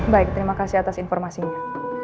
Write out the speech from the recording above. baik terima kasih atas informasinya